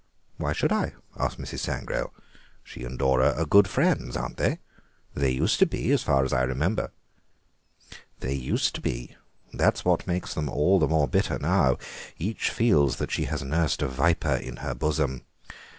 "Why should I?" asked Mrs. Sangrail; "she and Dora are good friends, aren't they? They used to be, as far as I remember." "They used to be; that's what makes them all the more bitter now. Each feels that she has nursed a viper in her bosom.